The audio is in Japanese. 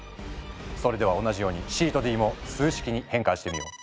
それでは同じようにＣとＤも数式に変換してみよう。